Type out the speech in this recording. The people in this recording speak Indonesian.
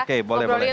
oke boleh boleh